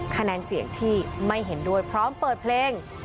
คะแนนเสียงที่ไม่เห็นด้วยพร้อมเปิดเพลง